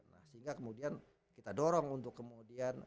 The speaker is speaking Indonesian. nah sehingga kemudian kita dorong untuk kemudian